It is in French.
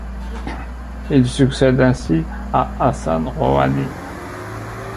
Il succède ainsi à Hassan Rohani.